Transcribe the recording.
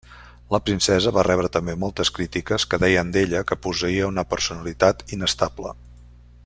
La princesa va rebre també moltes crítiques que deien d'ella que posseïa una personalitat inestable.